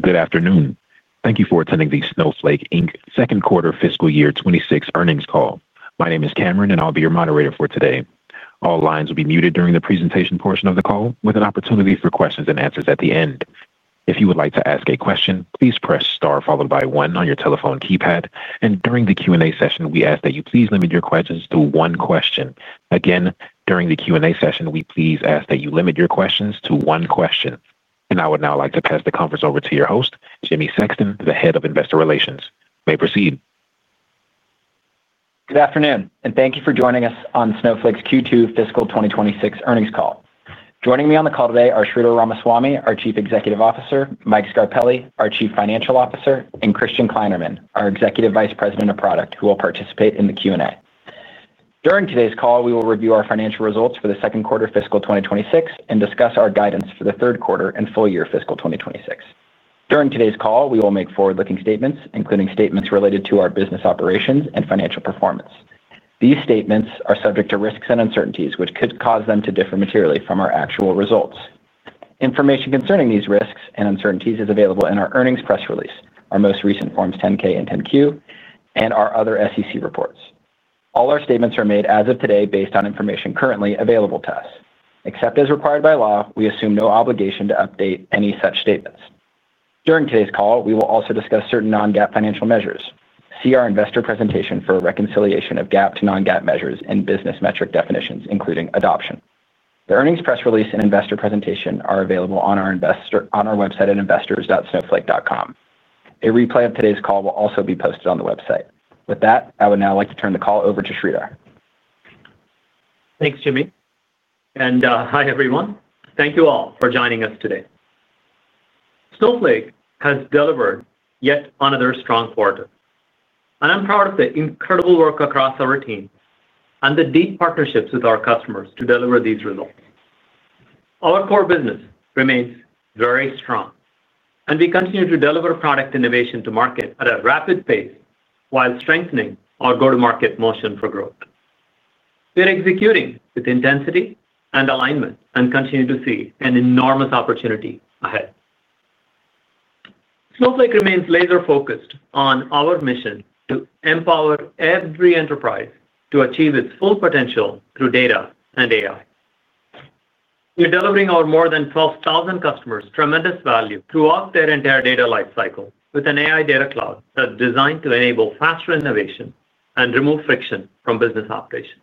Good afternoon. Thank you for attending the Snowflake Inc. Second Quarter Fiscal Year 2026 Earnings Call. My name is Cameron and I'll be your moderator for today. All lines will be muted during the presentation portion of the call with an opportunity for questions and answers at the end. If you would like to ask a question, please press STAR followed by one on your telephone keypad. During the Q&A session, we ask that you please limit your questions to one question. Again, during the Q&A session, we please ask that you limit your questions to one question. I would now like to pass the conference over to your host, Jimmy Sexton, the Head of Investor Relations. You may proceed. Good afternoon and thank you for joining us on Snowflake's Q2 Fiscal 2026 Earnings Call. Joining me on the call today are Sridhar Ramaswamy, our Chief Executive Officer, Mike Scarpelli, our Chief Financial Officer, and Christian Kleinerman, our Executive Vice President of Product, who will participate in the Q and A. During today's call, we will review our financial results for the second quarter fiscal 2026 and discuss our guidance for the third quarter and full year fiscal 2026. During today's call, we will make forward-looking statements, including statements related to our business operations and financial performance. These statements are subject to risks and uncertainties, which could cause them to differ materially from our actual results. Information concerning these risks and uncertainties is available in our earnings press release, our most recent Forms 10-K and 10-Q, and our other SEC reports. All our statements are made as of today based on information currently available to us. Except as required by law, we assume no obligation to update any such statements. During today's call, we will also discuss certain non-GAAP financial measures. See our investor presentation for a reconciliation of GAAP to non-GAAP measures and business metric definitions including adoption. The earnings press release and investor presentation are available on our website at investors.snowflake.com. A replay of today's call will also be posted on the website. With that, I would now like to turn the call over to Sridhar. Thanks Jimmy and hi everyone. Thank you all for joining us today. Snowflake has delivered yet another strong quarter and I'm proud of the incredible work across our team and the deep partnerships with our customers to deliver these results. Our core business remains very strong and we continue to deliver product innovation to market at a rapid pace while strengthening our go-to-market motion for growth. We're executing with intensity and alignment and continue to see an enormous opportunity ahead. Snowflake remains laser focused on our mission to empower every enterprise to achieve its full potential through data and AI. We're delivering our more than 12,000 customers tremendous value throughout their entire data lifecycle with an AI data cloud that's designed to enable faster innovation and remove friction from business applications.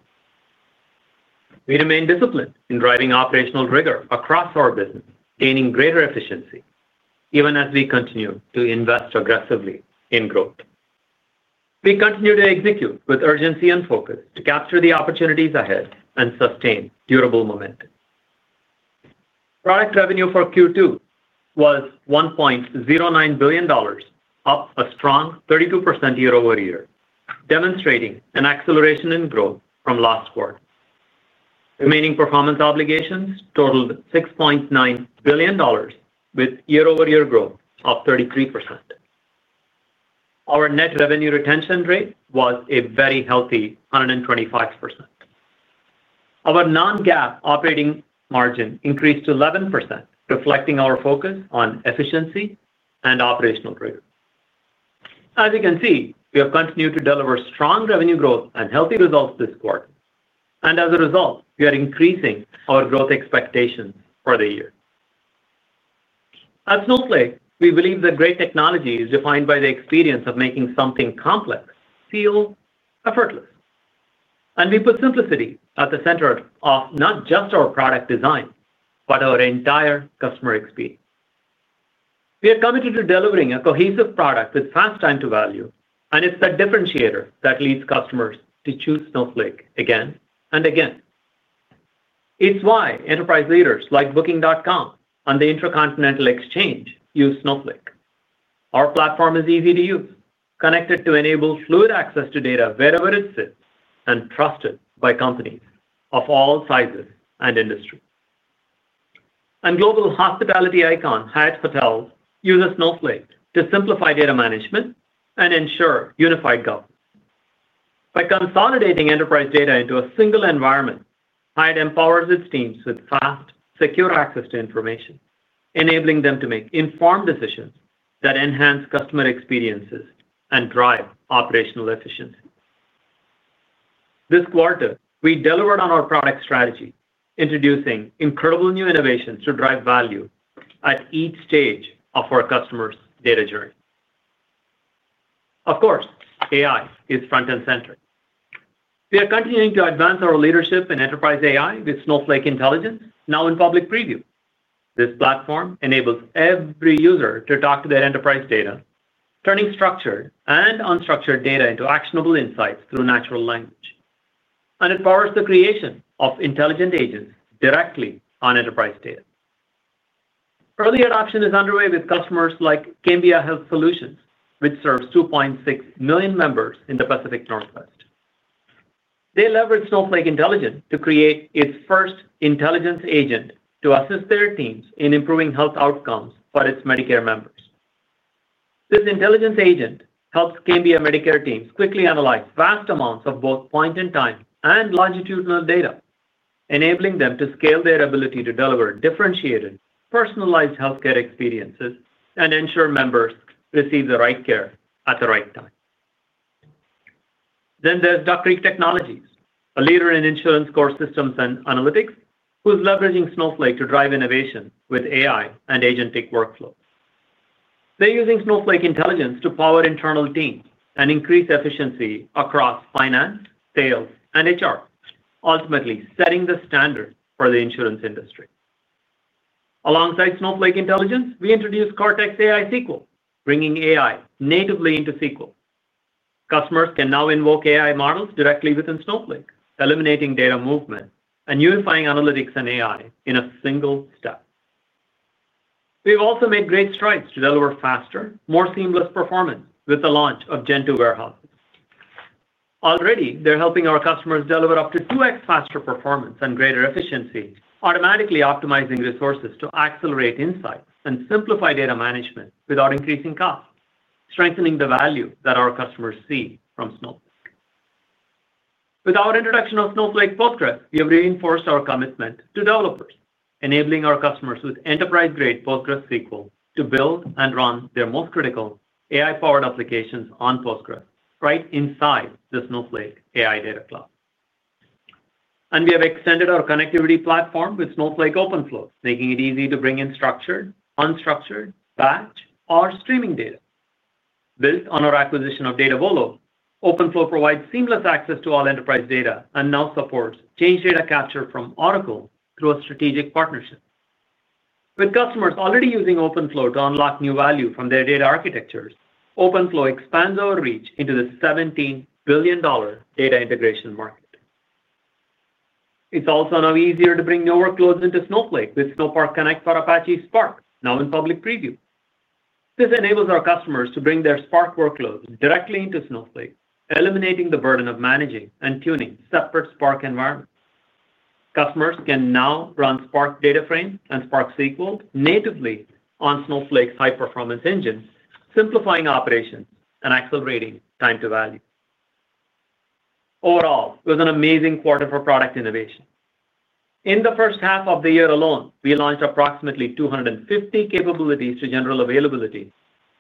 We remain disciplined in driving operational rigor across our business, gaining greater efficiency even as we continue to invest aggressively in growth. We continue to execute with urgency and focus to capture the opportunities ahead and sustain durable momentum. Product revenue for Q2 was $1.09 billion, a strong 32% year-over-year, demonstrating an acceleration in growth from last quarter. Remaining performance obligations totaled $6.9 billion, with year-over-year growth of 33%. Our net revenue retention rate was a very healthy 125%. Our non-GAAP operating margin increased to 11%, reflecting our focus on efficiency and operational rigor. As you can see, we have continued to deliver strong revenue growth and healthy results this quarter and as a result we are increasing our growth expectations for the year. At Snowflake, we believe that great technology is defined by the experience of making something complex feel effortless, and we put simplicity at the center of not just our product design, but our entire customer experience. We are committed to delivering a cohesive product with fast time to value, and it's the differentiator that leads customers to choose Snowflake again and again. It's why enterprise leaders like Booking.com and the InterContinental Exchange use Snowflake. Our platform is easy to use, connected to enable fluid access to data wherever it sits, and trusted by companies of all sizes and industries. Global hospitality icon Hyatt Hotels uses Snowflake to simplify data management and ensure unified governance. By consolidating enterprise data into a single environment, Hyatt empowers its teams with fast, secure access to information, enabling them to make informed decisions that enhance customer experiences and drive operational efficiency. This quarter we delivered on our product strategy, introducing incredible new innovations to drive value at each stage of our customers' data journey. Of course, AI is front and center. We are continuing to advance our leadership in enterprise AI with Snowflake Intelligence now in public preview. This platform enables every user to talk to their enterprise data, turning structured and unstructured data into actionable insights through natural language, and it powers the creation of intelligent agents directly on enterprise data. Early adoption is underway with customers like Cambia Health Solutions, which serves 2.6 million members in the Pacific Northwest. They leveraged Snowflake Intelligence to create its first intelligence agent to assist their teams in improving health outcomes for its Medicare members. This intelligence agent helps Cambia Medicare teams quickly analyze vast amounts of both point-in-time and longitudinal data, enabling them to scale their ability to deliver differentiated, personalized healthcare experiences and ensure members receive the right care at the right time. Duck Creek Technologies, a leader in insurance core systems and analytics, is leveraging Snowflake to drive innovation with AI and agent tech workflow. They're using Snowflake Intelligence to power internal teams and increase efficiency across finance, sales, and HR, ultimately setting the standard for the insurance industry. Alongside Snowflake Intelligence, we introduced Cortex AI SQL, bringing AI natively into SQL. Customers can now invoke AI models directly within Snowflake, eliminating data movement and unifying analytics and AI in a single step. We've also made great strides to deliver faster, more seamless performance with the launch of Gen 2 Warehouses. Already they're helping our customers deliver up to 2x faster performance and greater efficiency, automatically optimizing resources to accelerate insights and simplify data management without increasing costs, strengthening the value that our customers see from Snowflake. With our introduction of Snowflake Postgres, we have reinforced our commitment to developers, enabling our customers with enterprise-grade Postgre SQL to build and run their most critical AI-powered applications on Postgres right inside the Snowflake AI data cloud. We have extended our connectivity platform with Snowflake OpenFlow, making it easy to bring in structured, unstructured, batch, or streaming data. On our acquisition of Datavolo, OpenFlow provides seamless access to all enterprise data and now supports change data capture from Oracle through a strategic partnership. Customers are already using OpenFlow to unlock new value from their data architectures. OpenFlow expands our reach into the $17 billion data integration market. It's also now easier to bring new workloads into Snowflake with Snowpark Connect for Apache Spark now in public preview. This enables our customers to bring their Spark workload directly into Snowflake, eliminating the burden of managing and tuning separate Spark environments. Customers can now run Spark DataFrame and Spark SQL natively on Snowflake's high-performance engines, simplifying operations and accelerating time to value. Overall, it was an amazing quarter for product innovation. In the first half of the year alone, we launched approximately 250 capabilities to general availability,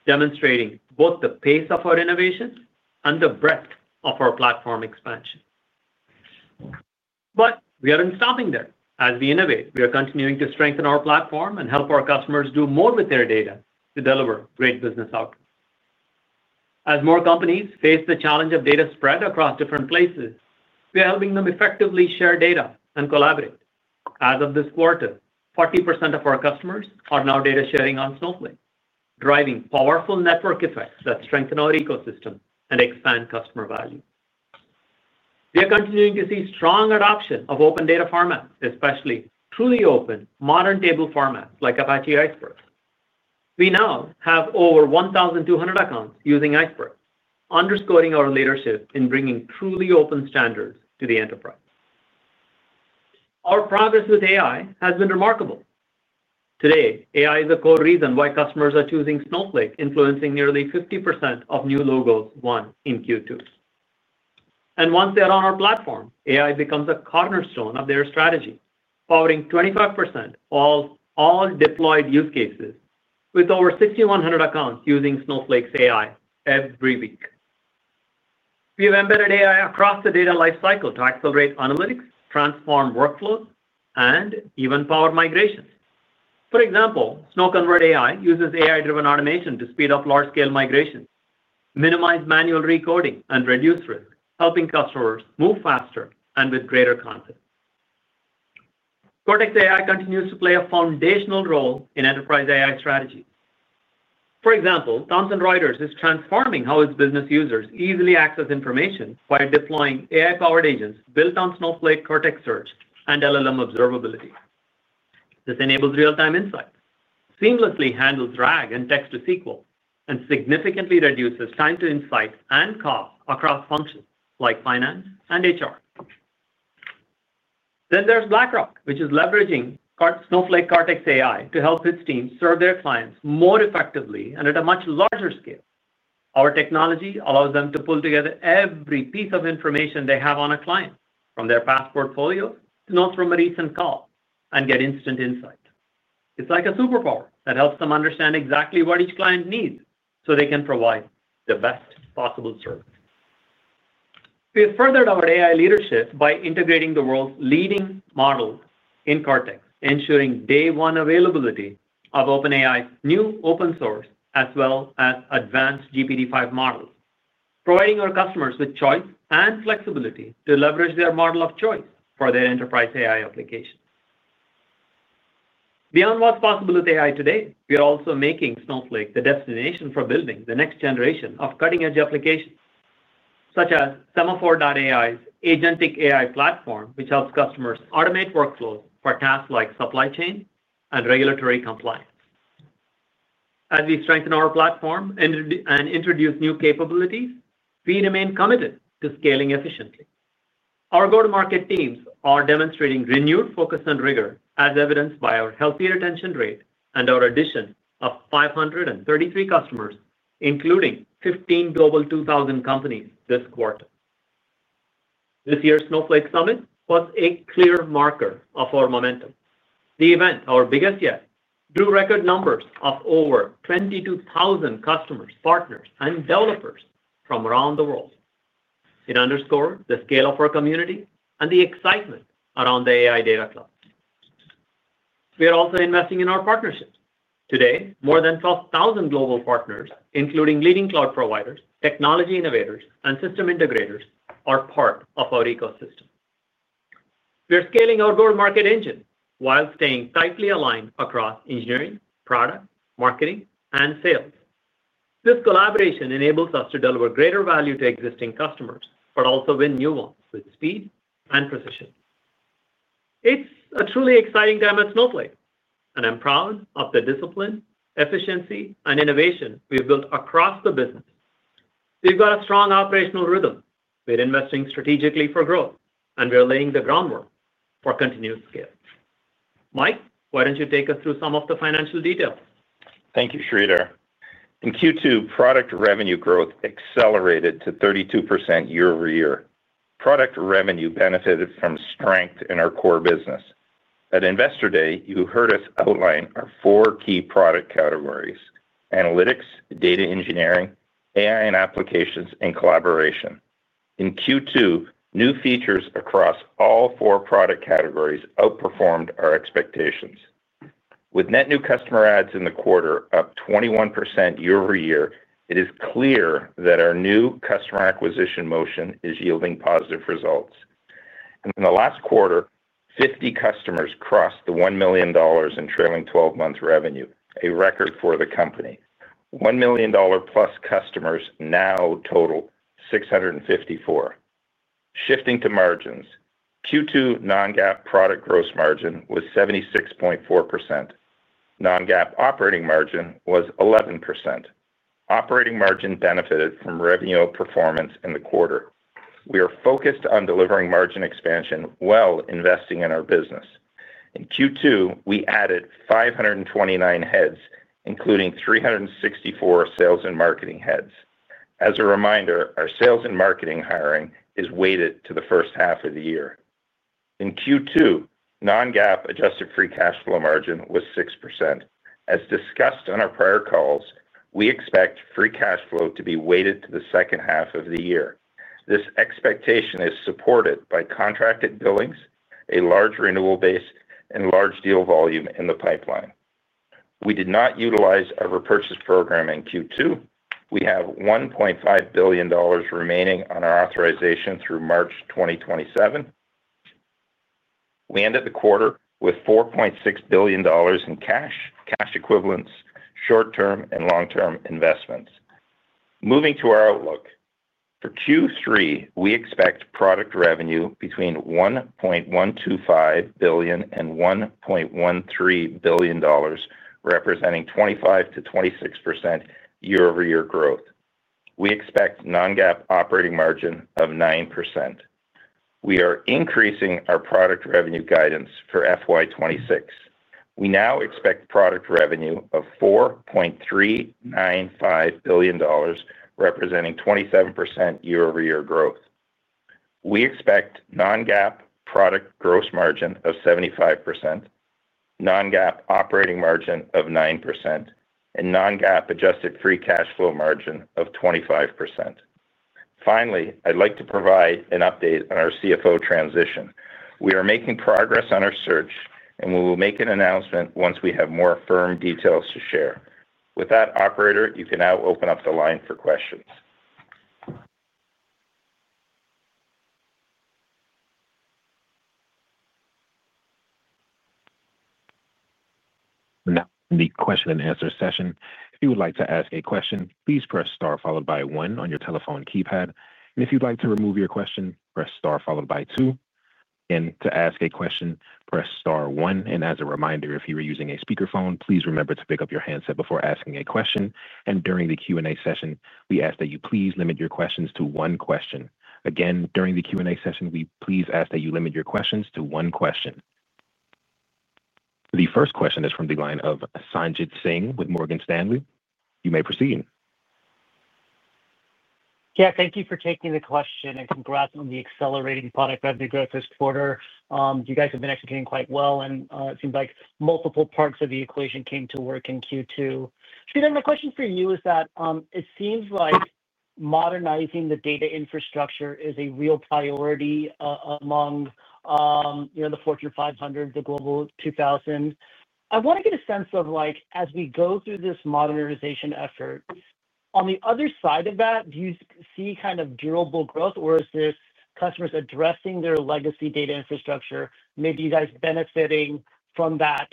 demonstrating both the pace of our innovation and the breadth of our platform expansion. We aren't stopping there. As we innovate, we are continuing to strengthen our platform and help our customers do more with their data to deliver great business outcomes. As more companies face the challenge of data spread across different places, we are helping them effectively share data and collaborate. As of this quarter, 40% of our customers are now data sharing on Snowflake, driving powerful network effects that strengthen our ecosystem and expand customer value. We are continuing to see strong adoption of open data formats, especially truly open modern table formats like Apache Iceberg. We now have over 1,200 accounts using Iceberg, underscoring our leadership in bringing truly open standards to the enterprise. Our progress with AI has been remarkable. Today, AI is a core reason why customers are choosing Snowflake, influencing nearly 50% of new logos won in Q2s, and once they're on our platform, AI becomes a cornerstone of their strategy, powering 25% of all deployed use cases with over 6,100 accounts using Snowflake's AI every week. We have embedded AI across the data lifecycle to accelerate analytics, transform workflows, and even power migrations. For example, Convert AI uses AI-driven automation to speed up large-scale migration, minimize manual recording, and reduce risk, helping customers move faster and with greater confidence. Cortex AI continues to play a foundational role in enterprise AI strategy. For example, Thomson Reuters is transforming how its business users easily access information by deploying AI-powered agents built on Snowflake, Cortex Search, and LLM Observability. This enables real-time insight, seamlessly handles drag and text to SQL, and significantly reduces time to insight and cost across functions like Finance and HR. There is BlackRock, which is leveraging Snowflake Cortex AI to help its team serve their clients more effectively and at a much larger scale. Our technology allows them to pull together every piece of information they have on a client from their past portfolio to notes from a recent call and get instant insight. It's like a superpower that helps them understand exactly what each client needs so they can provide the best possible service. We have furthered our AI leadership by integrating the world's leading model in Cortex, ensuring day one availability of OpenAI's new open source as well as advanced GPT-5 models, providing our customers with choice and flexibility to leverage their model of choice for their enterprise AI applications. Beyond what's possible with AI today, we are also making Snowflake the destination for building the next generation of cutting-edge applications such as Semaphore AI's Agentic AI platform, which helps customers automate workflow for tasks like supply chain and regulatory compliance. As we strengthen our platform and introduce new capabilities, we remain committed to scaling efficiently. Our go-to-market teams are demonstrating renewed focus and rigor as evidenced by our healthy retention rate and our addition of 533 customers, including 15 Global 2000 companies this quarter. This year's Snowflake Summit was a clear marker of our momentum. The event, our biggest yet, drew record numbers of over 22,000 customers, partners, and developers from around the world. It underscores the scale of our community and the excitement around the AI data cloud. We are also investing in our partnerships. Today, more than 12,000 global partners, including leading cloud providers, technology innovators, and system integrators, are part of our ecosystem. We are scaling our go-to-market engine while staying tightly aligned across engineering, product, marketing, and sales. This collaboration enables us to deliver greater value to existing customers, but also win new ones with speed and precision. It's a truly exciting time at Snowflake and I'm proud of the discipline, efficiency, and innovation we've built across the business. We've got a strong operational rhythm, we're investing strategically for growth, and we're laying the groundwork for continuous scale. Mike, why don't you take us through some of the financial details. Thank you. In Q2, product revenue growth accelerated to 32% year-over-year. Product revenue benefited from strength in our core business. At Investor Day, you heard us outline our four key product categories: analytics, data engineering, AI and applications, and collaboration. In Q2, new features across all four product categories outperformed our expectations. With net new customer adds in the quarter up 21% year-over-year, it is clear that our new customer acquisition motion is yielding positive results. In the last quarter, 50 customers crossed the $1 million in trailing 12-month revenue, a record for the company. $1 million plus customers now total 654. Shifting to margins, Q2 non-GAAP product gross margin was 76.4%. Non-GAAP operating margin was 11%. Operating margin benefited from revenue performance in the quarter. We are focused on delivering margin expansion while investing in our business. In Q2, we added 529 heads, including 364 sales and marketing heads. As a reminder, our sales and marketing hiring is weighted to the first half of the year. In Q2, non-GAAP adjusted free cash flow margin was 6%. As discussed on our prior calls, we expect free cash flow to be weighted to the second half of the year. This expectation is supported by contracted billings, a large renewal base, and large deal volume in the pipeline. We did not utilize a repurchase program in Q2. We have $1.5 billion remaining on our authorization through March 2027. We ended the quarter with $4.6 billion in cash, cash equivalents, short-term and long-term investments. Moving to our outlook for Q3, we expect product revenue between $1.125 billion and $1.13 billion, representing 25% to 26% year-over-year growth. We expect non-GAAP operating margin of 9%. We are increasing our product revenue guidance for FY 2026. We now expect product revenue of $4.395 billion, representing 27% year-over-year growth. We expect non-GAAP product gross margin of 75%, non-GAAP operating margin of 9%, and non-GAAP adjusted free cash flow margin of 25%. Finally, I'd like to provide an update on our CFO transition. We are making progress on our search, and we will make an announcement once we have more firm details to share. With that, operator, you can now open up the line for questions. Now in the question and answer session, if you would like to ask a question, please press STAR followed by one on your telephone keypad. If you'd like to remove your question, press STAR followed by two. To ask a question, press STAR one. As a reminder, if you are using a speakerphone, please remember to pick up your handset before asking a question. During the Q and A session, we ask that you please limit your questions to one question. Again, during the Q and A session, we please ask that you limit your questions to one question. The first question is from the line of Sanjit Singh with Morgan Stanley. You may proceed. Yeah, thank you for taking the question and congrats on the accelerating product revenue growth this quarter. You guys have been executing quite well and it seems like multiple parts of the equation came to work in Q2. Sridhar, my question for you is that it seems like modernizing the data infrastructure is a real priority among the Fortune 500, the Global 2000. I want to get a sense of like as we go through this modernization effort. On the other side of that, do you see kind of durable growth or is this customers addressing their legacy data infrastructure? Maybe you guys benefiting from that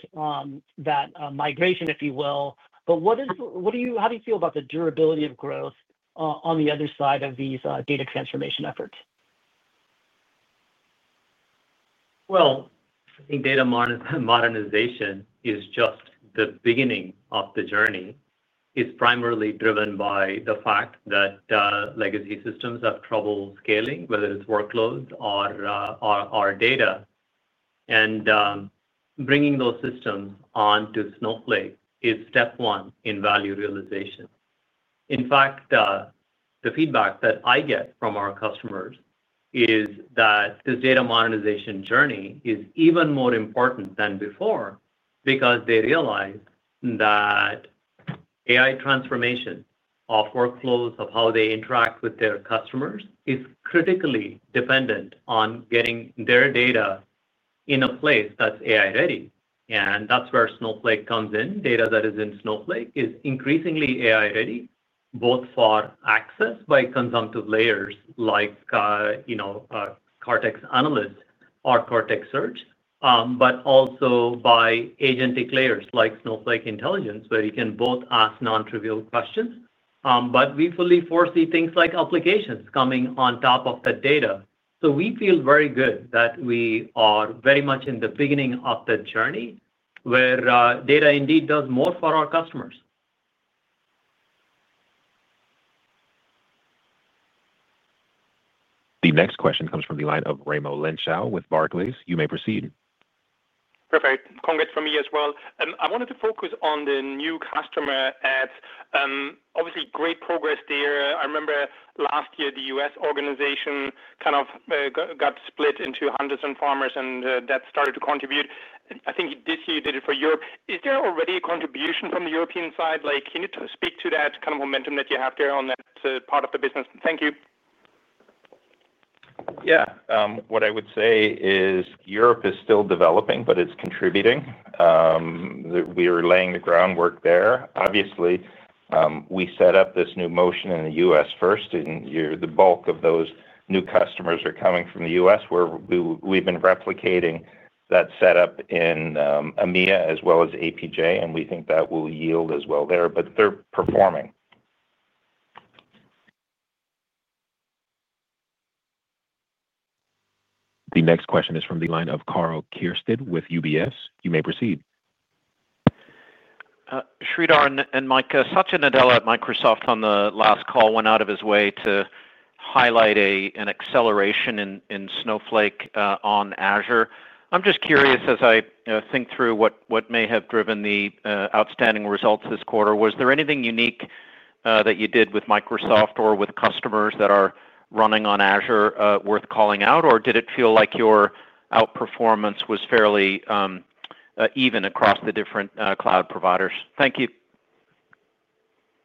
migration if you will, but how do you feel about the durability of growth on the other side of these data transformation efforts? Data modernization is just the beginning of the journey. It's primarily driven by the fact that legacy systems have trouble scaling, whether it's workloads or data. Bringing those systems onto Snowflake is step one in value realization. In fact, the feedback that I get from our customers is that this data modernization journey is even more important than before because they realize that AI transformation of workflows, of how they interact with their customers, is critically dependent on getting their data in a place that's AI ready and that's where Snowflake comes in. Data that is in Snowflake is increasingly AI ready both for access by consumptive layers like Cortex Analysts or Cortex Search, but also by agentic layers like Snowflake Intelligence where you can both ask non-trivial questions. We fully foresee things like applications coming on top of the data. We feel very good that we are very much in the beginning of the journey where data indeed does more for our customers. The next question comes from the line of Raimo Lenschow with Barclays. You may proceed. Perfect. Congrats from me as well. I wanted to focus on the new customer adds. Obviously, great progress there. I remember last year the U.S. organization kind of got split into hunters and farmers and that started to contribute. I think this year you did it for Europe. Is there already a contribution from the European side? Can you speak to that, kind of what you have there on that part of the business? Thank you. Yeah. What I would say is Europe is still developing, but it's contributing. We are laying the groundwork there. Obviously, we set up this new motion in the U.S. first and the bulk of those new customers are coming from the U.S. We've been replicating that setup in EMEA as well as APJ, and we think that will yield as well there. They're performing. The next question is from the line of Karl Keirstead with UBS. You may proceed. Sridhar and Mike, Satya Nadella at Microsoft on the last call went out of his way to highlight an acceleration in Snowflake on Azure. I'm just curious as I think through what may have driven the outstanding results this quarter. Was there anything unique that you did with Microsoft or with customers that are running on Azure worth calling out? Or did it feel like your outperformance was fairly even across the different cloud providers? Thank you.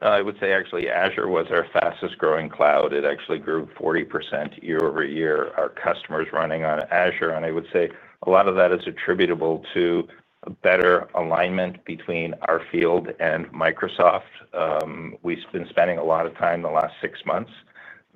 I would say actually Microsoft Azure was our fastest-growing cloud. It actually grew 40% year-over-year, our customers running on Azure. I would say a lot of that is attributable to better alignment between our field and Microsoft. We've been spending a lot of time the last six months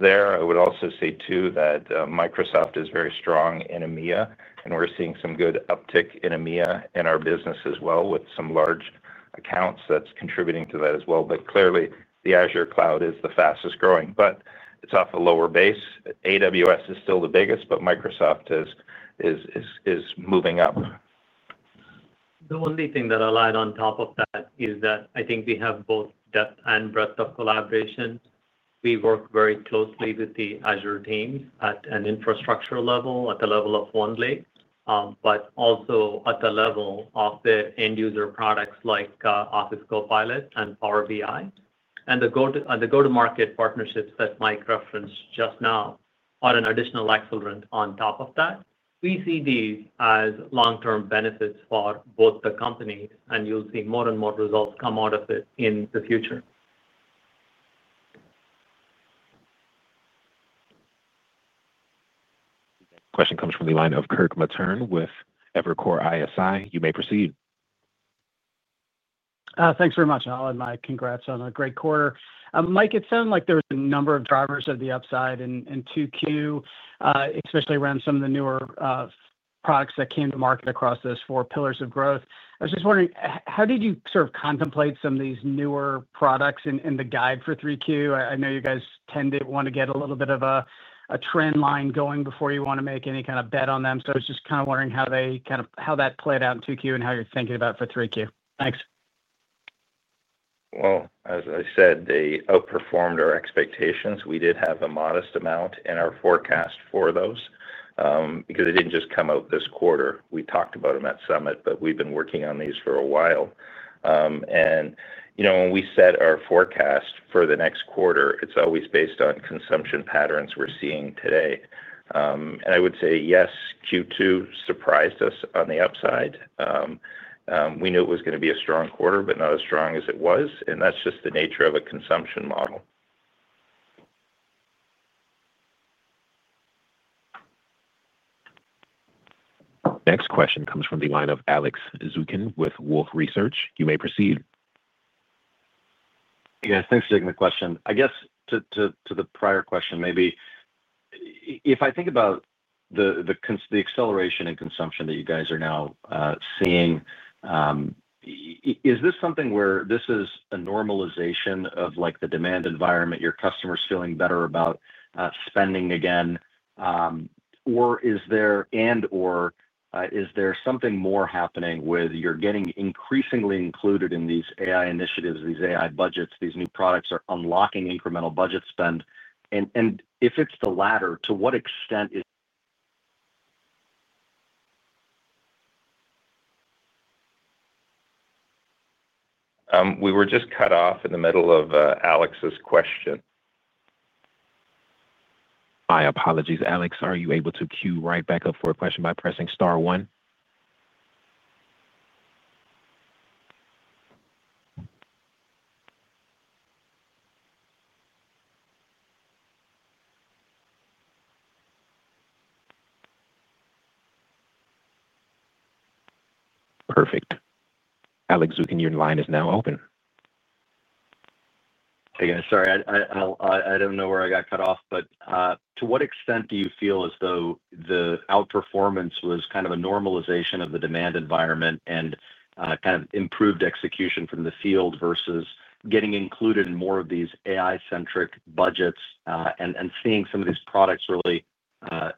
there. I would also say that Microsoft is very strong in EMEA, and we're seeing some good uptick in EMEA in our business as well with some large accounts that's contributing to that as well. Clearly, the Azure cloud is the fastest-growing, but it's off a lower base. AWS is still the biggest, but Microsoft is moving up. The only thing that I'll add on top of that is that I think we have both depth and breadth of collaboration. We work very closely with the Azure teams at an infrastructure level, at the level of only, but also at the level of the end user products like Office Copilot and Power BI. The go to market partnerships that Mike referenced just now are an additional accelerant on top of that. We see these as long term benefits for both the company and you'll see more and more results come out of it in the future. Question comes from the line of Kirk Materne with Evercore ISI. You may proceed. Thanks very much, and Congrats on a great quarter. Mike, it sounded like there was a number of drivers of the upside in 2Q, especially around some of the newer products that came to market across those four pillars of growth. I was just wondering how did you sort of contemplate some of these newer products in the guide for 3Q? I know you guys tend to want to get a little bit of a trend line going before you want to make any kind of bet on them, so I was just kind of wondering how that played out in 2Q and how you're thinking about for 3Q. Thanks. As I said, they outperformed our expectations. We did have a modest amount in our forecast for those because it didn't just come out this quarter. We talked about them at Summit, but we've been working on these for a while, and you know, when we set our forecast for the next quarter, it's always based on consumption patterns we're seeing today. I would say yes, Q2 surprised us on the upside. We knew it was going to be a strong quarter, but not as strong as it was. That's just the nature of a consumption. Next question comes from the line of Alex Zukin with Wolfe Research. You may proceed. Yeah, thanks for taking the question. I guess to the prior question, maybe if I think about the acceleration in consumption that you guys are now seeing. Is this something where this is? A normalization of the demand environment, your customers feeling better about spending again? Or is there something more happening with you're getting increasingly. Included in these AI initiatives, these AI. Budgets, these new products are unlocking incremental budget spend, and if it's the latter, to what extent is. We were just cut off in the middle of Alex's question. My apologies. Alex, are you able to queue right back up for a question by pressing star 1? Perfect. Alex Zukin, your line is now open. Sorry, I don't know where I got cut off, but to what extent do you feel as though the outperformance was kind of a normalization of the demand environment and kind of improved execution from the field versus getting included in more of these AI-centric budgets and seeing some of these products, really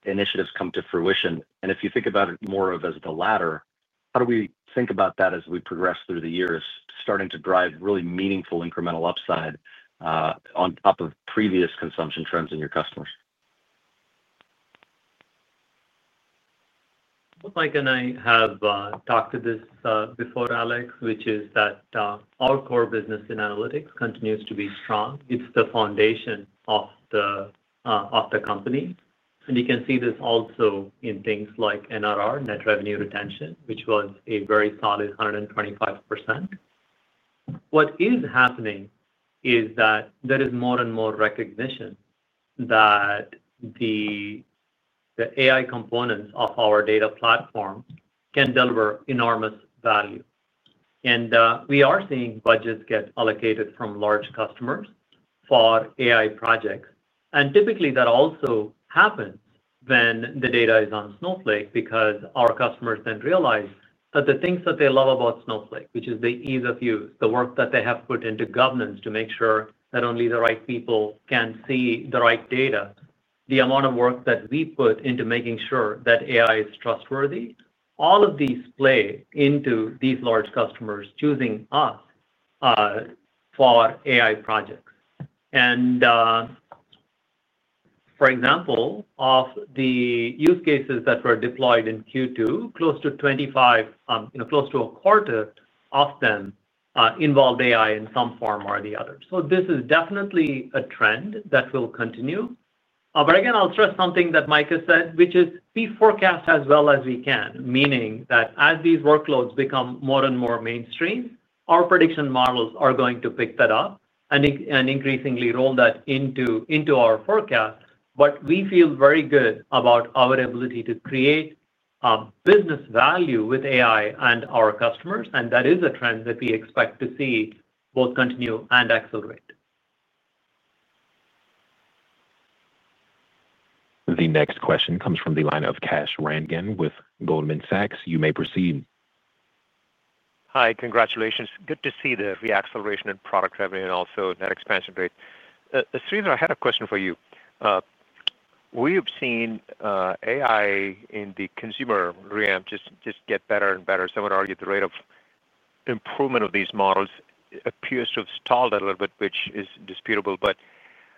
initiatives, come to fruition? If you think about it more as the latter, how do we think about that as we progress through the years, starting to drive really meaningful incremental upside on top of previous consumption trends in your customers? Mike and I have talked to this before, Alex, which is that our core business analytics continues to be strong. It's the foundation of the company, and you can see this also in things like NRR, net revenue retention, which was a very solid 125%. What is happening is that there is more and more recognition that the AI components of our data platform can deliver enormous value, and we are seeing budgets get allocated from large customers for AI projects. Typically, that also happens when the data is on Snowflake because our customers then realize that the things that they love about Snowflake, which is the ease of use, the work that they have put into governance to make sure that only the right people can see the right data, the amount of work that we put into making sure that AI is trustworthy, all of these play into these large customers choosing us for AI projects. For example, of the use cases that were deployed in Q2, close to 25%, you know, close to a quarter of them involved AI in some form or the other. This is definitely a trend that will continue. I'll stress something that Mike has said, which is we forecast as well as we can, meaning that as these workloads become more and more mainstream, our prediction models are going to pick that up and increasingly roll that into our forecast. We feel very good about our ability to create business value with AI and our customers, and that is a trend that we expect to see both continue and accelerate. The next question comes from the line of Kash Rangan with Goldman Sachs. You may proceed. Hi, congratulations. Good to see the reacceleration in product revenue and also net expansion rate. Sridhar, I had a question for you. We have seen AI in the consumer ramp just get better and better. Some would argue the rate of improvement of these models appears to have stalled a little bit, which is disputable.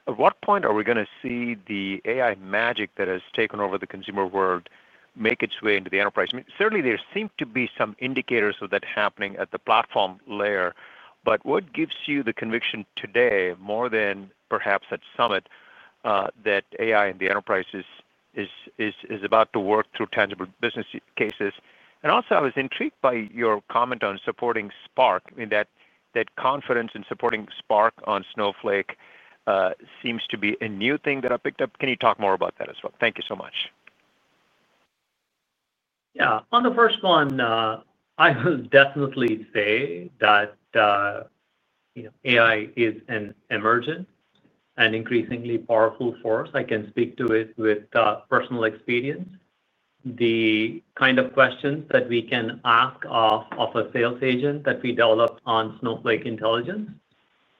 At what point are we going to see the AI magic that has taken over the consumer world make its way into the enterprise? Certainly, there seem to be some indicators of that happening at the platform layer. What gives you the conviction today more than perhaps at Summit that AI and the enterprise is about to work through tangible business cases? I was intrigued by your comment on supporting Spark. That confidence in supporting Spark on Snowflake seems to be a new thing that I picked up. Can you talk more about that as well? Thank you so much. Yeah. On the first one, I will definitely say that AI is an emergent and increasingly powerful force. I can speak to it with personal experience. The kind of questions that we can ask of a sales agent that we develop on Snowflake Intelligence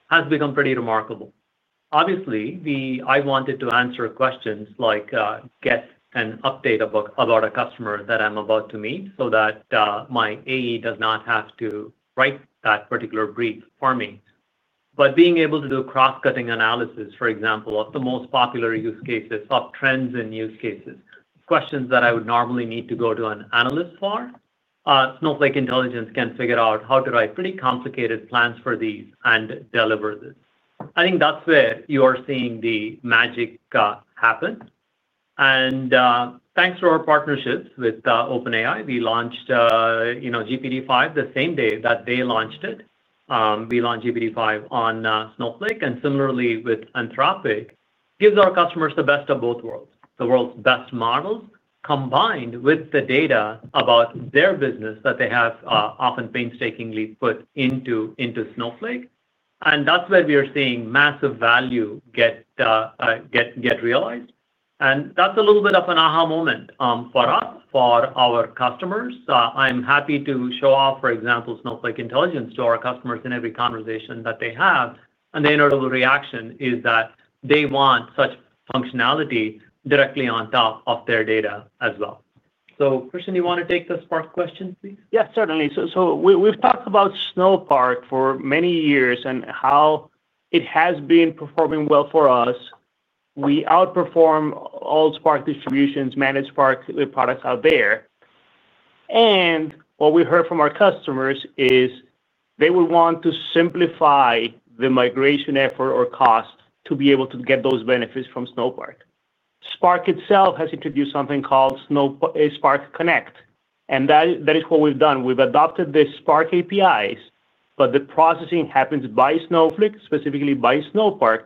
has become pretty remarkable. Obviously I wanted to answer questions like get an update about a customer that I'm about to meet so that my AE does not have to write that particular brief for me. Being able to do cross-cutting analysis, for example, of the most popular trends and use cases, questions that I would normally need to go to an analyst for, Snowflake Intelligence can figure out how to write pretty complicated plans for these and deliver this. I think that's where you are seeing the magic happen. Thanks to our partnership with OpenAI, we launched GPT-5 the same day that they launched it. We launched GPT-5 on Snowflake and similarly with Anthropic, gives our customers the best of both worlds. The world's best model combined with the data about their business that they have often painstakingly put into Snowflake. That's where we are seeing massive value get realized. That's a little bit of an aha moment for us, for our customers. I'm happy to show off, for example, Snowflake Intelligence to our customers in every conversation that they have. The inevitable reaction is that they want such functionality directly on top of their data as well. Christian, you want to take the Spark question please? Yeah, certainly. We've talked about Snowpark for many years and how it has been performing well for us. We outperform all Spark distributions, managed Spark products out there. What we heard from our customers is they would want to simplify the migration effort or cost to be able to get those benefits from Snowpark. Spark itself has introduced something called Spark Connect and that is what we've done. We've adopted the Spark APIs, but the processing happens by Snowflake, specifically by Snowpark.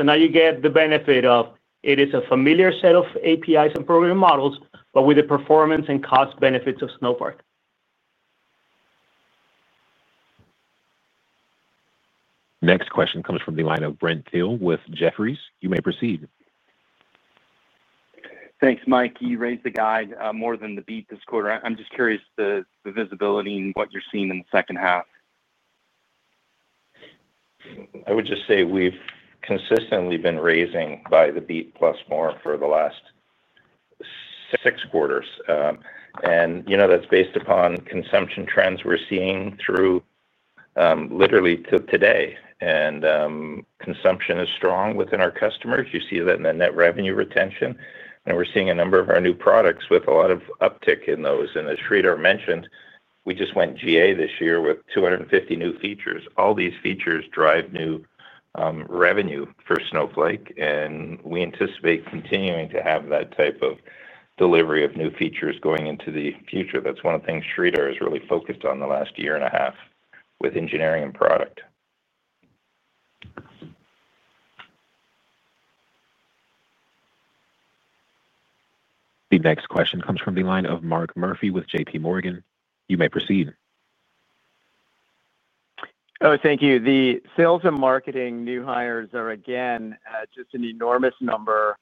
Now you get the benefit of it is a familiar set of APIs and programming models, but with the performance and cost benefits of Snowpark. Next question comes from the line of Brent Thill with Jefferies. You may proceed. Thanks, Mike. You raised the guide more than the beat this quarter. I'm just curious. The visibility and what you're seeing in the second half. I would just say we've consistently been raising by the beat plus more for the last six quarters. That's based upon consumption trends we're seeing through literally to today. Consumption is strong within our customers. You see that in the net revenue retention. We're seeing a number of our new products with a lot of uptick in those. As Sridhar mentioned, we just went GA this year with 250 new features. All these features drive new revenue for Snowflake, and we anticipate continuing to have that type of delivery of new features going into the future. That's one of the things Sridhar has really focused on the last year and a half with engineering and product. The next question comes from the line of Mark Murphy with JP Morgan. You may proceed. Thank you. The sales and marketing new hires are again just an enormous number.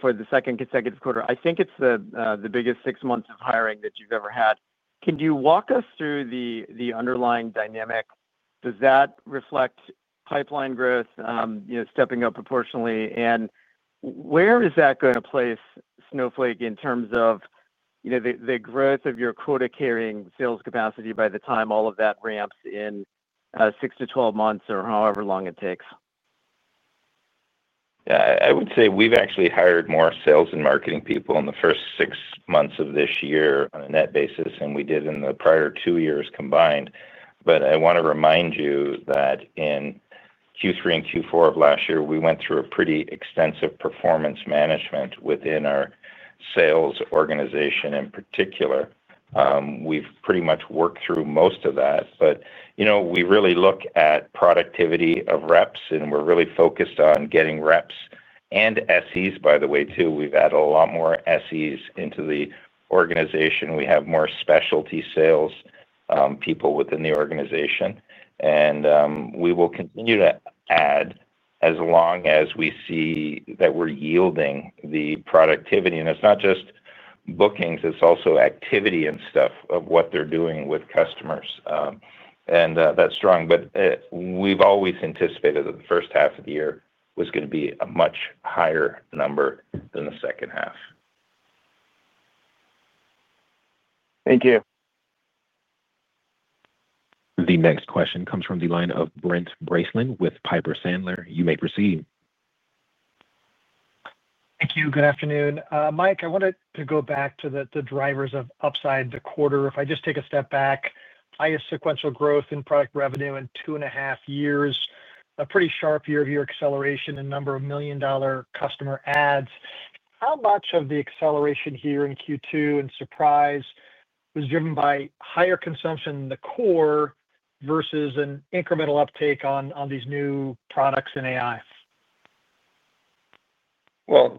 For the second consecutive quarter, I think it's the biggest six months of hiring that you've ever had. Can you walk us through the underlying dynamic? Does that reflect pipeline growth stepping up proportionally? Where is that going to place Snowflake in terms of the growth of your quota carrying sales capacity by the time all of that ramps in 6 to 12 months or however long it takes? Yeah, I would say we've actually hired more sales and marketing people in the first six months of this year on a net basis than we did in the prior two years combined. I want to remind you that in Q3 and Q4 of last year, we went through a pretty extensive performance management within our sales organization. In particular, we've pretty much worked through most of that. We really look at productivity of reps and we're really focused on getting reps and SCs. By the way, too, we've added a lot more SCs into the organization. We have more specialty sales people within the organization and we will continue to add as long as we see that we're yielding the productivity. It's not just bookings, it's also activity and stuff of what they're doing with customers. That's strong. We've always anticipated that the first half of the year was going to be a much higher number than the second half. Thank you. The next question comes from the line of Brent Bracelin with Piper Sandler. You may proceed. Thank you. Good afternoon, Mike. I wanted to go back to the drivers of upside the quarter. If I just take a step back, highest sequential growth in product revenue in two and a half years, a pretty sharp year over year acceleration in number of million dollar customer ads. How much of the acceleration here in Q2 and surprise was driven by higher consumption in the core versus an incremental uptake on these new products and AI?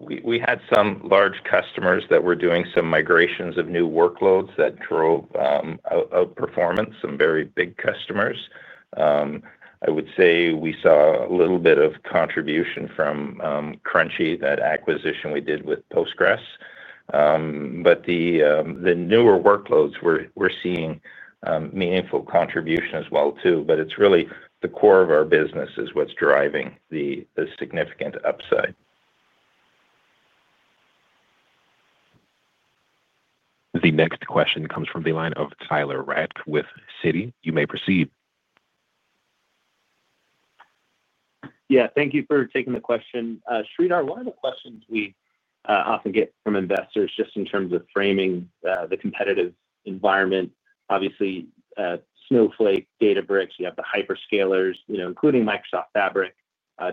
We had some large customers that were doing some migrations of new workloads that drove our performance. Some very big customers. I would say we saw a little bit of contribution from Crunchy, that acquisition we did with Snowflake Postgres. The newer workloads we're seeing meaningful contribution as well too. It's really the core of our business that's driving the significant upside. The next question comes from the line of Tyler Radke with Citi. You may proceed. Yeah, thank you for taking the question. Sridhar, one question we often get from investors just in terms of framing the competitive environment, obviously Snowflake, Databricks, you have the hyperscalers including Microsoft Fabric,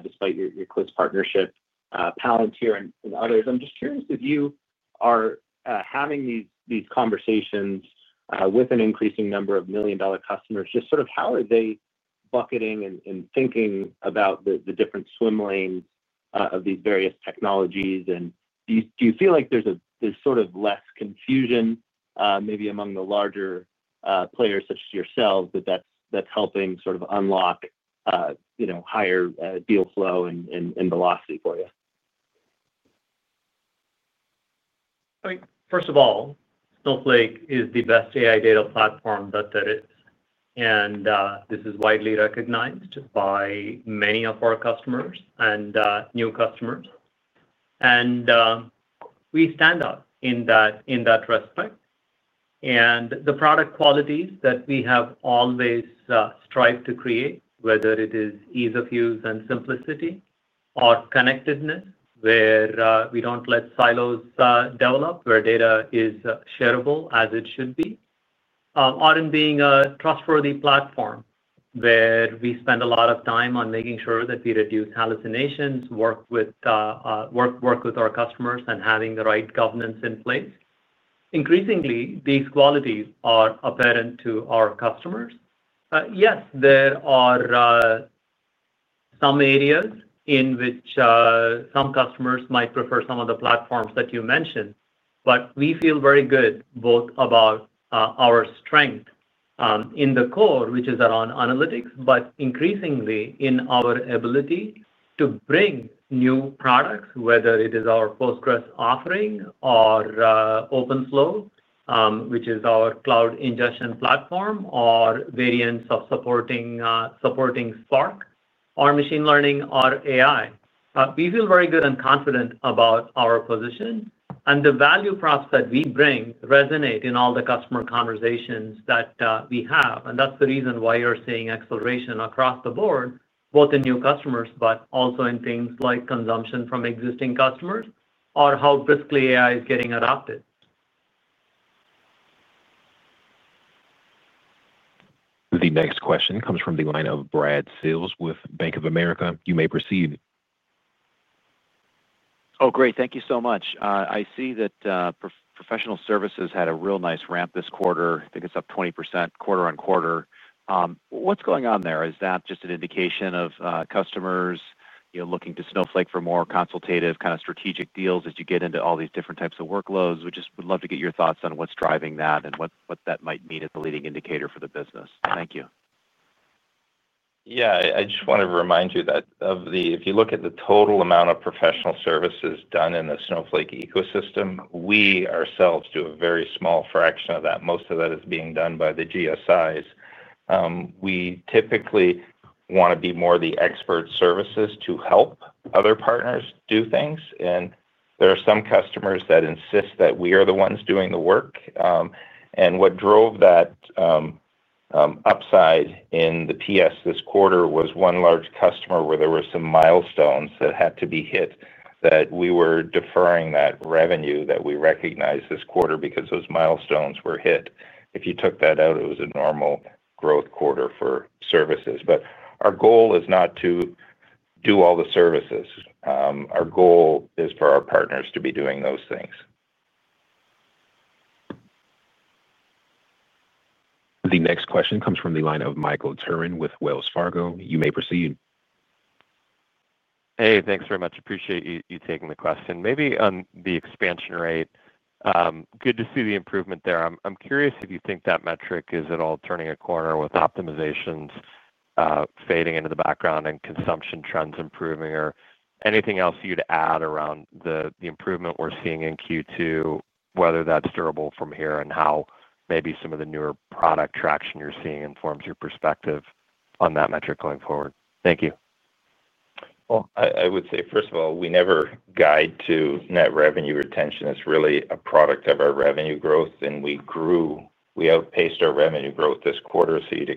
despite your close partnership, Palantir and others. I'm just curious if you are having these conversations with an increasing number of million dollar customers, just sort of how are they bucketing and thinking about the different swim lanes of these various technologies, and do you feel like there's a sort of less confusion maybe among the larger players such as yourself that's helping sort of unlock higher deal flow and velocity for you? I mean, first of all, Snowflake is the best AI data platform that there is, and this is widely recognized by many of our customers and new customers, and we stand out in that respect. The product qualities that we have always strived to create, whether it is ease of use and simplicity or connectedness where we don't let silos develop, where data is shareable as it should be, are being a trustworthy platform where we spend a lot of time on making sure that we reduce hallucinations, work with our customers, and having the right governance in place. Increasingly, these qualities are apparent to our customers. Yes, there are some areas in which some customers might prefer some of the platforms that you mentioned. We feel very good both about our strength in the core, which is around analytics, but increasingly in our ability to bring new products. Whether it is our Snowflake Postgres offering or Snowflake OpenFlow, which is our cloud ingestion platform, or variants of supporting Spark or machine learning or AI, we feel very good and confident about our position, and the value props that we bring resonate in all the customer conversations that we have. That's the reason why you're seeing acceleration across the board, both in new customers, but also in things like consumption from existing customers or how basically AI is getting adopted. The next question comes from the line of Brad Sills with Bank of America. You may proceed. Oh, great. Thank you so much. I see that professional services had a real nice ramp this quarter. I think it's up 20% quarter- on-quarter. What's going on there? Is that just an indication of customers looking to Snowflake for more consultative kind of strategic deals? As you get into all these different types of workloads, we just would love to get your thoughts on what's driving that and what. What that might mean as a leading. Indicator for the business. Thank you. I just want to remind you that if you look at the total amount of professional services done in the Snowflake ecosystem, we ourselves do a very small fraction of that. Most of that is being done by the GSIs. We typically want to be more the expert services to help other partners do things. There are some customers that insist that we are the ones doing the work. What drove that upside in the PS this quarter was one large customer where there were some milestones that had to be hit that we were deferring that revenue that we recognized this quarter because those milestones were hit. If you took that out, it was a normal growth quarter for services. Our goal is not to do all the services. Our goal is for our partners to be doing those things. The next question comes from the line of Michael Turrin with Wells Fargo. You may proceed. Hey, thanks very much. Appreciate you taking the question. Maybe the expansion rate. Good to see the improvement there. I'm curious if you think that metric is at all turning a corner. Optimizations fading into the background and consumption trends improving or anything else you'd add? Around the improvement we're seeing in Q2, whether that's durable from here and how. Maybe some of the newer product traction. You're seeing informs your perspective on that metric going forward? Thank you. First of all, we never guide to net revenue retention. It's really a product of our revenue growth. We grew, we outpaced our revenue growth this quarter. You'd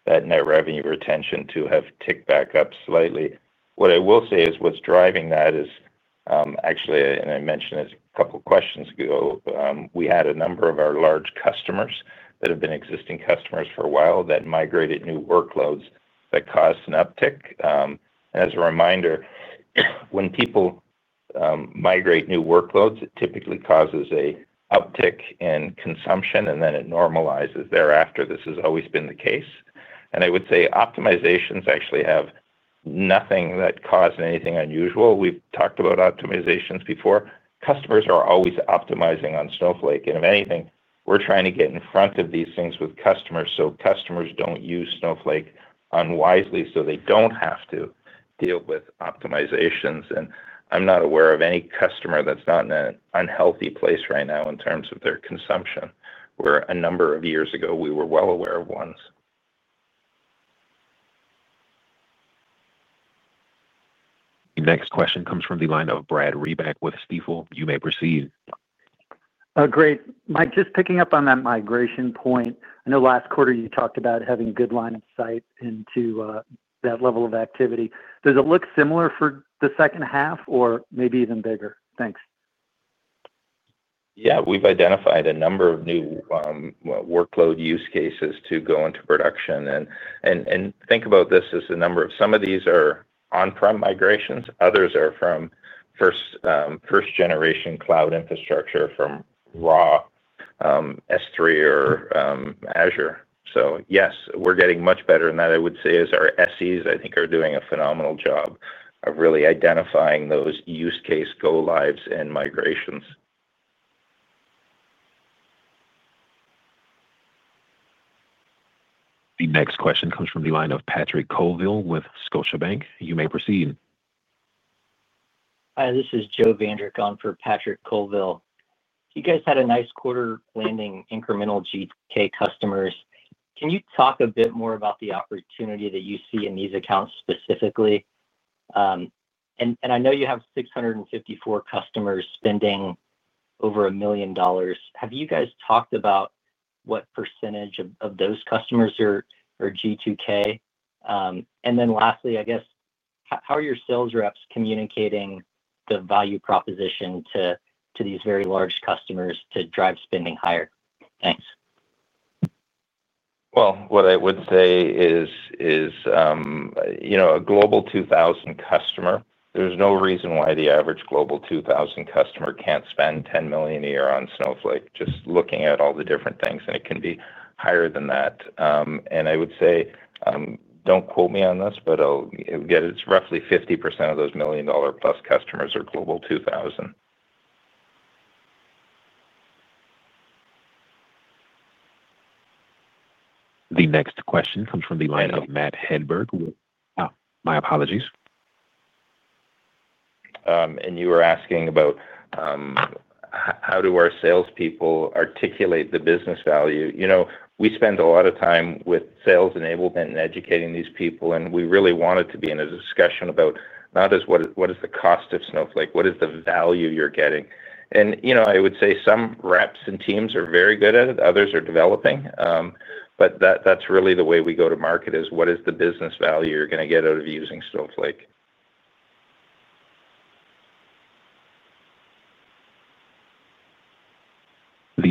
expect that net revenue retention to have ticked back up slightly. What I will say is, what's driving that is actually, and I mentioned it a couple questions ago, we had a number of our large customers that have been existing customers for a while that migrated new workloads that caused an uptick. As a reminder, when people migrate new workloads it typically causes an uptick in consumption and then it normalizes thereafter. This has always been the case and I would say optimizations actually have nothing that caused anything unusual. We've talked about optimizations before. Customers are always optimizing on Snowflake and if anything we're trying to get in front of these things with customers so customers don't use Snowflake unwisely so they don't have to deal with optimizations. I'm not aware of any customer that's not in an unhealthy place right now in terms of their consumption, where a number of years ago we were well aware of ones. Next question comes from the line of Brad Redback with Stifel. You may proceed. Great, Mike, just picking up on that migration point. I know last quarter you talked about having a good line of sight into that level of activity. Does it look similar for the second half or maybe even bigger? Thanks. Yeah, we've identified a number of new workload use cases to go into production. Think about this as the number of some of these are on-prem migrations, others are from first generation cloud infrastructure from raw S3 or Azure. Yes, we're getting much better, and I would say our SEs, I think, are doing a phenomenal job of really identifying those use case go-lives and migrations. The next question comes from the line of Patrick Colville with Scotiabank. You may proceed. Hi, this is Joe Vandrick on for Patrick Colville. You guys had a nice quarter landing incremental G2K customers. Can you talk a bit more about the opportunity that you see in these accounts? Specifically, and I know you have 654 customers spending over $1 million. Have you guys talked about what percentage of those customers are G2K? Lastly, I guess how are your sales reps communicating the value proposition to these very large customers to drive spending higher? Thanks. A Global 2000 customer, there's no reason why the average Global 2000 customer can't spend $10 million a year on Snowflake. Just looking at all the different things, it can be higher than that. I would say don't quote me on this, but it's roughly 50% of those million dollar customers are Global 2000. The next question comes from the line of Matt Martino. My apologies. You were asking about how our salespeople articulate the business value. We spend a lot of time with sales enablement and educating these people, and we really want it to be a discussion about not what is the cost of Snowflake, but what is the value you're getting. I would say some reps and teams are very good at it, others are developing, but that's really the way we go to market: what is the business value you're going to get out of using Snowflake.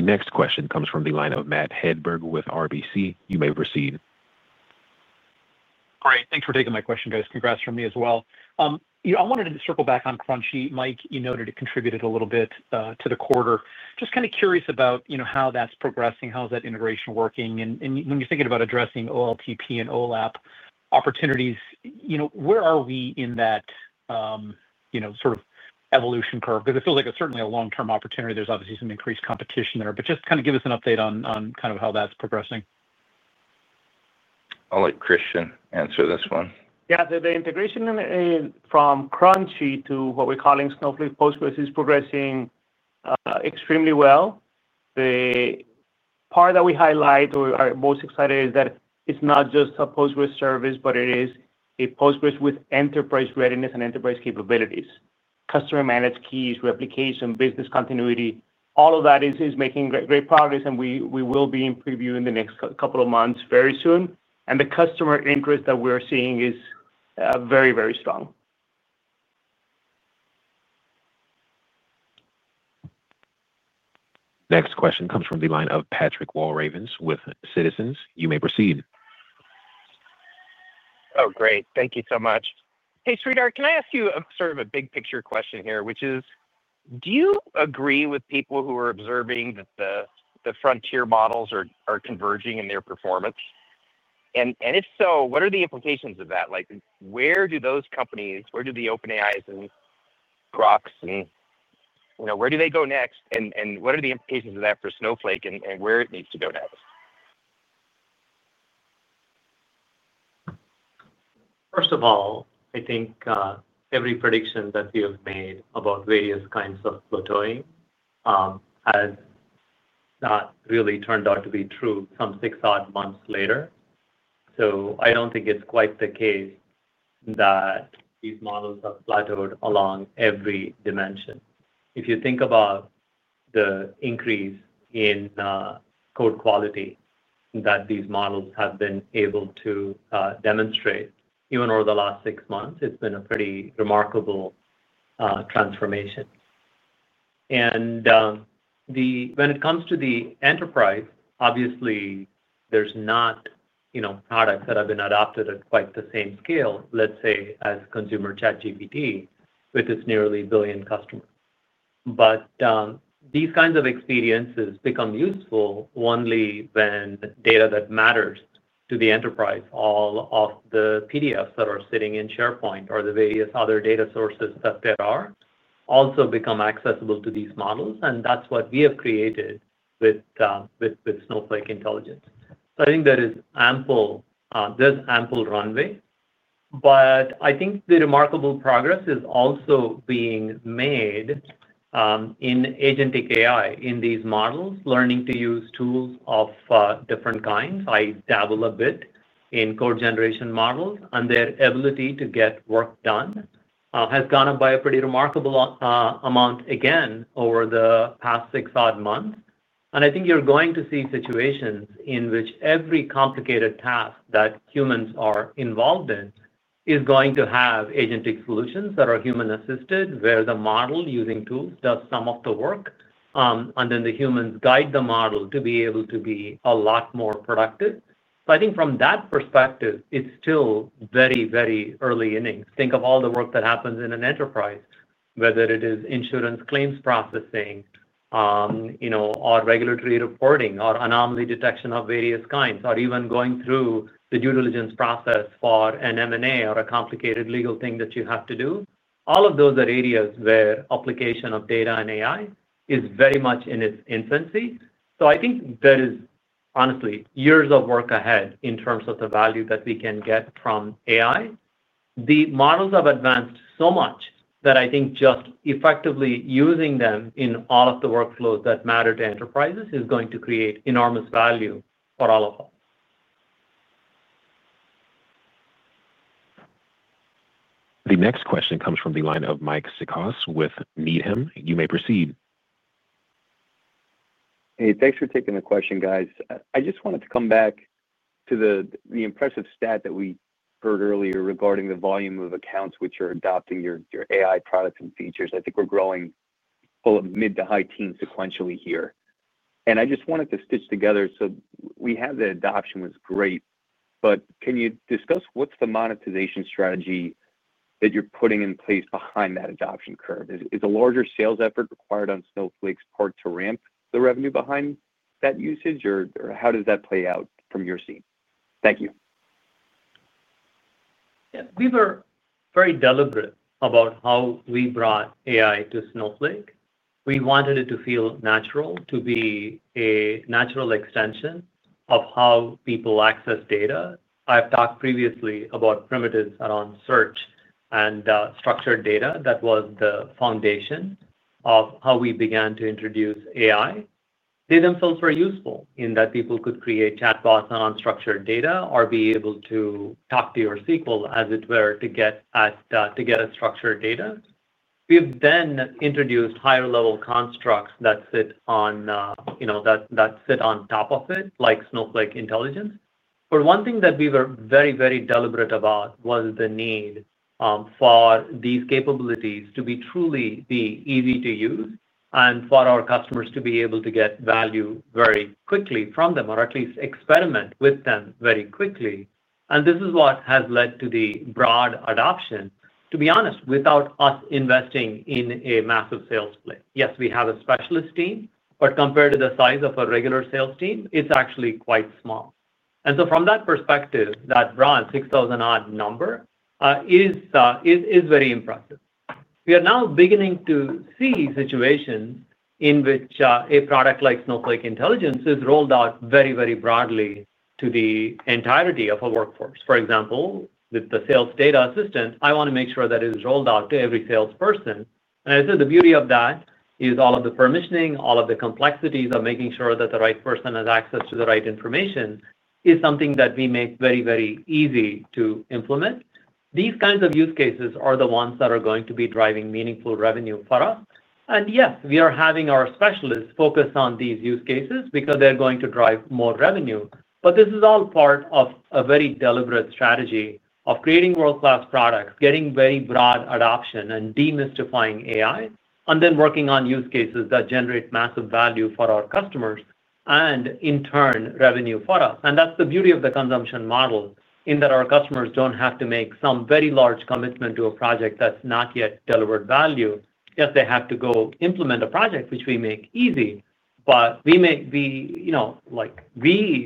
The next question comes from the line of Matt Hedberg with RBC. You may proceed. All right, thanks for taking my question, guys. Congrats from me as well. I wanted to circle back on Crunchy. Mike, you noted it contributed a little bit to the quarter. Just kind of curious about how that's progressing, how is that integration working, and when you're thinking about addressing OLTP and OLAP opportunities, where are we in that sort of evolution curve? It feels like it's certainly a long term opportunity. There's obviously some increased competition there. Just kind of give us an update on how that's progressing. I'll let Christian answer this one. Yeah. The integration from Crunchy to what we're calling Snowflake Postgres is progressing extremely well. The part that we highlight or are most excited about is that it's not just a Postgres service, but it is a Postgres with enterprise readiness and enterprise capabilities. Customer managed keys, replication, business continuity, all of that is making great progress. We will be in preview in the next couple of months very soon. The customer interest that we're seeing is very, very strong. Next question comes from the line of Patrick Walravens with Citizens. You may proceed. Oh, great. Thank you so much. Can I ask you sort of a big picture question here, which is do you agree with people who are observing that the frontier models are converging in their performance and if. What are the implications of that? Like where do those companies, where do the OpenAI's and Crocs, and where do they go next, and what are the. Implications of that for Snowflake and where. What needs to go next? First of all, I think every prediction that you've made about various kinds of plateauing has not really turned out to be true some six odd months later. I don't think it's quite the case that these models are plateaued along every dimension. If you think about the increase in code quality that these models have been able to demonstrate, even over the last six months, it's been a pretty remarkable transformation. When it comes to the enterprise, obviously there's not, you know, products that have been adopted at quite the same scale, let's say as consumer ChatGPT with its nearly billion customers. These kinds of experiences become useful only when data that matters to the enterprise, all of the PDFs that are sitting in SharePoint or the various other data sources, also become accessible to these models. That's what we have created with Snowflake Intelligence. I think there's ample runway, but I think the remarkable progress is also being made in agentic AI, in these models learning to use tools of different kinds. I dabble a bit in code generation models and their ability to get work done has gone up by a pretty remarkable amount again over the past six odd months. I think you're going to see situations in which every complicated task that humans are involved in is going to have agentic solutions that are human assisted, where the model using tools does some of the work and then the humans guide the model to be able to be a lot more productive. From that perspective, it's still very, very early innings. Think of all the work that happens in an enterprise, whether it is insurance claims processing or regulatory reporting or anomaly detection of various kinds, or even going through the due diligence process for an M&A or a complicated legal thing that you have to do. All of those are areas where application of data and AI is very much in its infancy. I think there is honestly years of work ahead in terms of the value that we can get from AI. The models have advanced so much that I think just effectively using them in all of the workflows that matter to enterprises is going to create enormous value for all of us. The next question comes from the line of Mike Cikos with Needham. You may proceed. Hey, thanks for taking the question, guys. I just wanted to come back to the impressive stat that we heard earlier regarding the volume of accounts which are adopting your AI products and features. I think we're growing mid to high teens sequentially here and I just wanted to stitch together so we have. The adoption was great, but can you discuss what's the monetization strategy that you're putting in place behind that adoption curve? Is a larger sales effort required on Snowflake's part to ramp the revenue behind that usage or how does that play out from your scene? Thank you. We were very deliberate about how we brought AI to Snowflake. We wanted it to feel natural, to be a natural extension of how people access data. I've talked previously about primitives around search and structured data. That was the foundation of how we began to introduce AI. They themselves were useful in that people could create chatbots on unstructured data or be able to talk to your SQL as it were, to get at, to get a structured data. We've then introduced higher level constructs that sit on, you know, that sit on top of it, like Snowflake Intelligence. One thing that we were very, very deliberate about was the need for these capabilities to be truly be easy to use and for our customers to be able to get value very quickly from them or at least experiment with them very quickly. This is what has led to the broad adoption, to be honest, without us investing in a massive sales play. Yes, we have a specialist team, but compared to the size of a regular sales team, it's actually quite small. From that perspective, that broad 6,000 odd number is very impressive. We are now beginning to see situations in which a product like Snowflake Intelligence is rolled out very, very broadly to the entirety of a workforce. For example, with the sales data assistant, I want to make sure that it's rolled out to every salesperson. The beauty of that is all of the permissioning, all of the complexities of making sure that the right person has access to the right information is something that we make very, very easy to implement. These kinds of use cases are the ones that are going to be driving meaningful revenue for us. Yeah, we are having our specialists focus on these use cases because they're going to drive more revenue. This is all part of a very deliberate strategy of creating world-class products, getting very broad adoption, and demystifying AI, then working on use cases that generate massive value for our customers and in turn revenue for us. That's the beauty of the consumption model in that our customers don't have to make some very large commitment to a project that's not yet delivered value. They have to go implement a project, which we make easy. We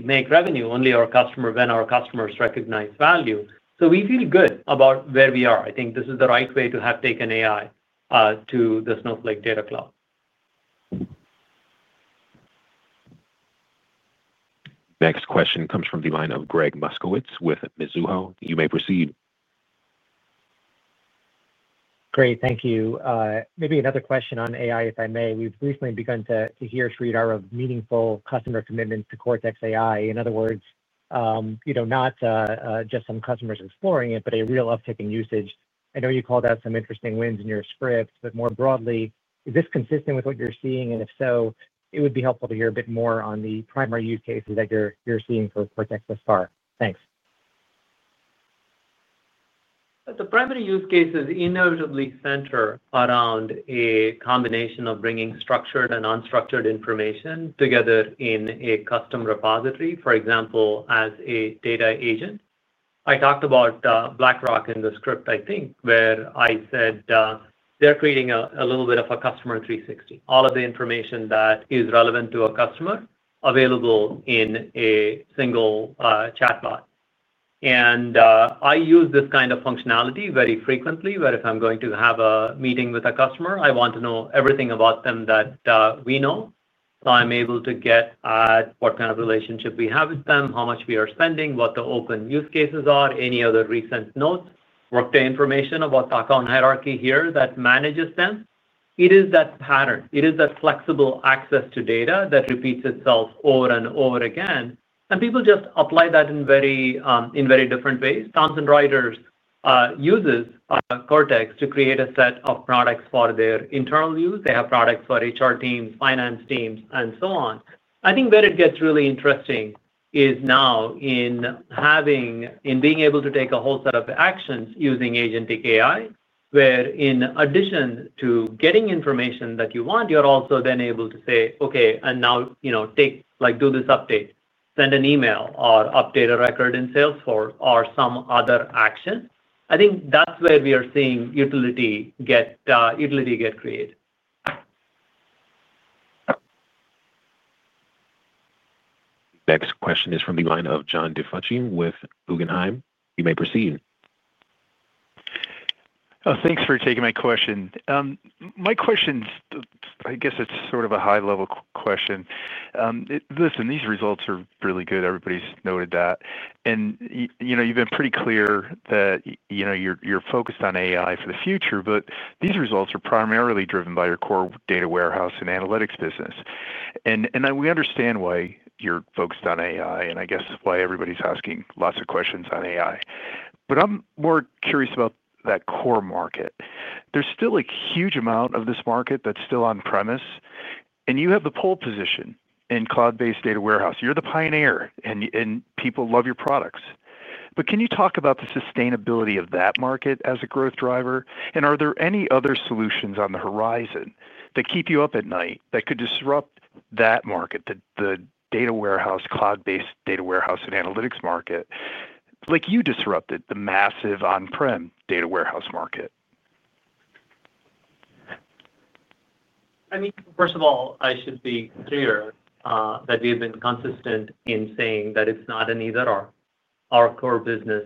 make revenue only when our customers recognize value. We feel good about where we are. I think this is the right way to have taken AI to the Snowflake data cloud. Next question comes from the line of Gregg Moskowitz with Mizuho. You may proceed. Great, thank you. Maybe another question on AI if I may. We've recently begun to hear Sridhar, meaningful customer commitment to Cortex AI. In other words, you know, not just some customers exploring it, but a real uptick in usage. I know you called out some interesting wins in your script, but more broadly, is this consistent with what you're seeing? If so, it would be helpful to hear a bit more on the primary use cases that you're seeing for Protect the Spark. Thanks. The primary use cases inevitably center around a combination of bringing structured and unstructured information together in a custom repository. For example, as a data agent, I talked about BlackRock in the script, I think where I said they're creating a little bit of a customer 360, all of the information that is relevant to a customer available in a single chatbot. I use this kind of functionality very frequently. If I'm going to have a meeting with a customer, I want to know everything about them that we know. I'm able to get at what kind of relationship we have with them, how much we are spending, what the open use cases are, any other recent notes, Workday information about the account hierarchy here that manages them. It is that pattern, it is that flexible access to data that repeats itself over and over again and people just apply that in very different ways. Thomson Reuters uses Cortex to create a set of products for their internal use. They have products for HR teams, finance teams and so on. I think that it gets really interesting now in being able to take a whole set of actions using agent AI where in addition to getting information that you want, you're also then able to say, okay, now take, like, do this update, send an email or update a record in Salesforce or some other action. I think that's where we are seeing utility get created. Next question is from the line of John DiFucci with Guggenheim. You may proceed. Thanks for taking my question. My question, I guess it's sort of. A high-level question. Listen, these results are really good. Everybody's noted that, and you've. Been pretty clear that you're. Focused on AI for the future. These results are primarily driven by your core data warehouse and analytics business. We understand why you're focused on AI and I guess why everybody's asking lots of questions on AI. I'm more curious about that core market. There's still a huge amount of this market that's still on premise, and you have the pole position in cloud-based data warehouse. You're the pioneer, and people love your products. Can you talk about the sustainability of that market as a growth driver? Are there any other solutions on the horizon that keep you up at night that could disrupt that market? The data warehouse, cloud-based data warehouse, and analytics market like you disrupted the massive on-prem data warehouse market. First of all, I should be clear that we've been consistent in saying that it's not an either or. Our core business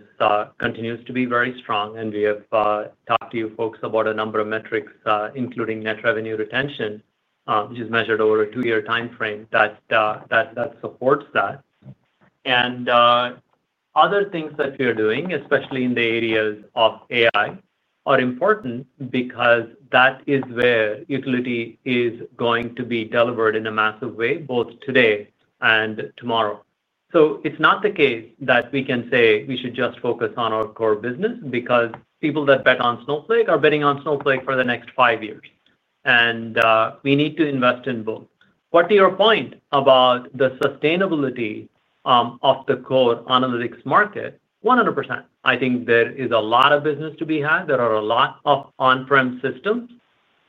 continues to be very strong, and we have talked to you folks about a number of metrics including net revenue retention, which is measured over a two-year time frame, that supports that and other things that we are doing, especially in the areas of AI, are important because that is where utility is going to be delivered in a massive way both today and tomorrow. It's not the case that we can say we should just focus on our core business because people that bet on Snowflake are betting on Snowflake for the next five years, and we need to invest in both. To your point about the sustainability of the core analytics market, 100%. I think there is a lot of business to be had. There are a lot of on-prem systems,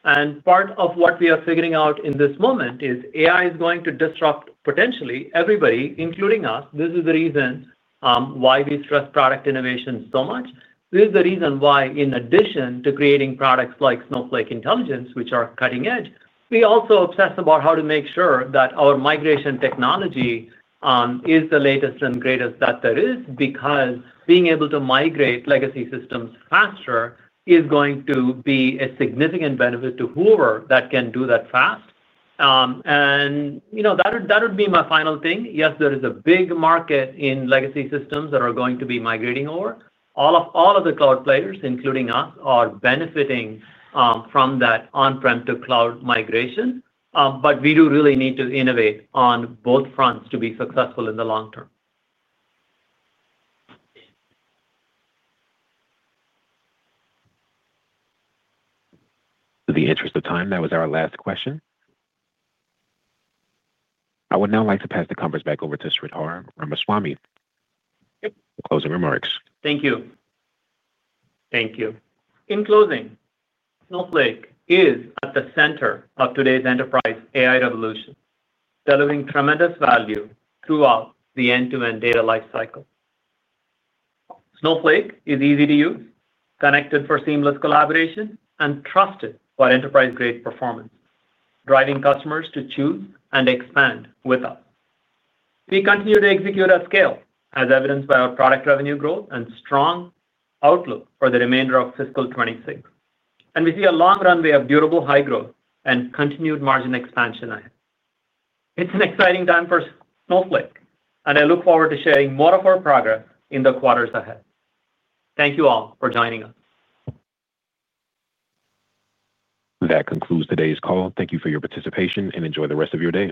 and part of what we are figuring out in this moment is AI is going to disrupt potentially everybody, including us. This is the reason why we stress product innovation so much. This is the reason why, in addition to creating products like Snowflake Intelligence, which are cutting edge, we also obsess about how to make sure that our migration technology is the latest and greatest that there is. Being able to migrate legacy systems faster is going to be a significant benefit to whoever can do that fast. That would be my final thing. Yes, there is a big market in legacy systems that are going to be migrating over. All of the cloud players, including us, are benefiting from that on-prem to cloud migration. We do really need to innovate on both fronts to be successful in the long term. For the interest of time, that was our last question. I would now like to pass the conference back over to Sridhar Ramaswamy for closing remarks. Thank you. Thank you. In closing, Snowflake is at the center of today's enterprise AI revolution, delivering tremendous value throughout the end-to-end data life cycle. Snowflake is easy to use, connected for seamless collaboration, and trusted for enterprise-grade performance, driving customers to choose and expand with us. We continue to execute at scale as evidenced by our product revenue growth and strong outlook for the remainder of fiscal 2026. We see a long runway of durable high growth and continued margin expansion ahead. It's an exciting time for Snowflake, and I look forward to sharing more of our progress in the quarters ahead. Thank you all for joining us. That concludes today's call. Thank you for your participation and enjoy the rest of your day.